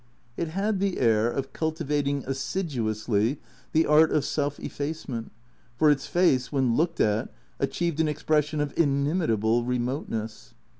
It had the air of cultivating assidu ously the art of self effacement, for its face, when looked at, achieved an expression of inimitable remoteness.